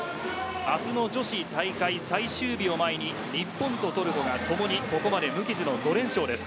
明日の女子大会最終日を前に日本とトルコがともにここまで無傷の５連勝です。